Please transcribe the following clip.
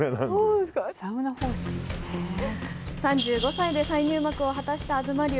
３５歳で再入幕を果たした東龍。